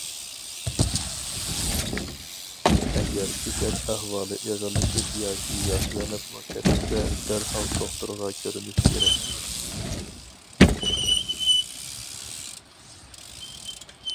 ئەگەر كېسەل ئەھۋالى ئېغىرلىشىپ ياكى ياخشىلىنىپمۇ كەتمىسە، دەرھال دوختۇرغا كۆرۈنۈش كېرەك.